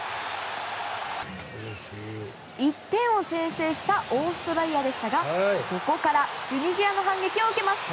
１点を先制したオーストラリアでしたがここからチュニジアの反撃を受けます。